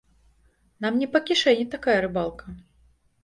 Нам не па кішэні такая рыбалка.